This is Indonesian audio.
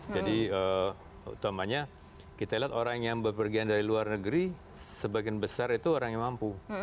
jadi utamanya kita lihat orang yang berpergian dari luar negeri sebagian besar itu orang yang mampu